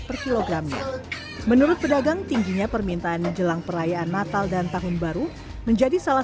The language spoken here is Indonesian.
per kilogramnya menurut pedagang tingginya permintaan jelang perayaan natal dan tahun baru menjadi salah